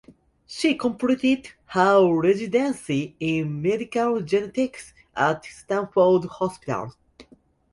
She completed her residency in Medical Genetics at Stanford Hospital.